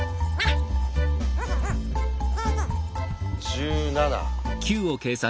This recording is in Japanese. １７。